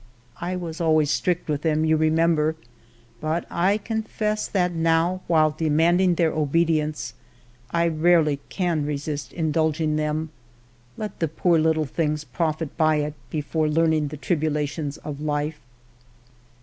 I was always strict with them, you remem ber, but I confess that now, while demanding their obedience, I rarely can resist indulging them. Let 64 FIVE YEARS OF MY LIFE the poor little things profit by it before learning the tribulations of life."